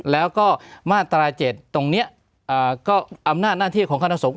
แล้วก็มาตรา๗ตรงนี้ก็อำนาจหน้าที่ของคณะสงฆ